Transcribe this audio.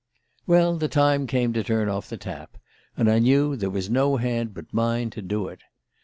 "Well the time came to turn off the tap; and I knew there was no hand but mine to do it.